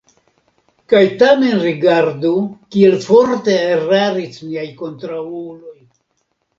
Kaj tamen rigardu, kiel forte eraris niaj kontraŭuloj!